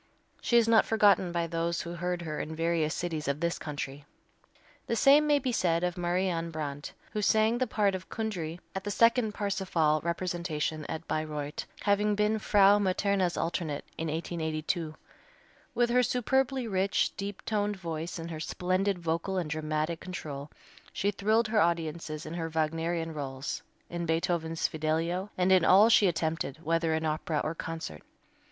She is not forgotten by those who heard her in various cities of this country. The same may be said of Marianne Brandt, who sang the part of Kundry at the second "Parsifal" representation at Bayreuth, having been Frau Materna's alternate in 1882. With her superbly rich, deep toned voice and her splendid vocal and dramatic control she thrilled her audiences in her Wagnerian rôles, in Beethoven's "Fidelio," and in all she attempted, whether in opera or concert.